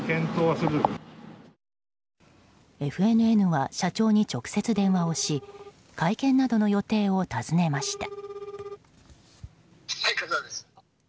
ＦＮＮは社長に直接電話をし会見などの予定を尋ねました。